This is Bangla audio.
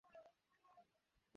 দয়া করে চলে যাও।